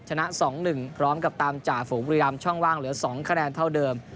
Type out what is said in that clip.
ชนะ๒๑พร้อมกับตามจ่าฝูงบุรีรำช่องว่างเหลือ๒คะแนนเท่าเดิม